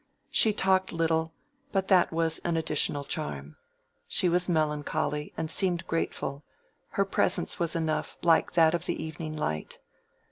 She talked little; but that was an additional charm. She was melancholy, and seemed grateful; her presence was enough, like that of the evening light.